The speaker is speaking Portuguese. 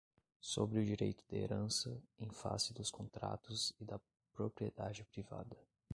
Sobre o Direito de Herança, em Face dos Contratos e da Propriedade Privada